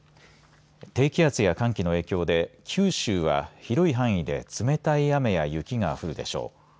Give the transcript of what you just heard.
低気圧や寒気の影響で九州は広い範囲で冷たい雨や雪が降るでしょう。